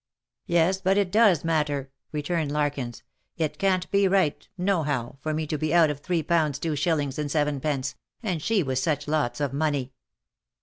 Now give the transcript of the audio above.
" Yes, but it does matter," returned Larkins. " It can't be right, no how, for me. to be out of three pounds two shillings and seven pence, and she with such lots of money."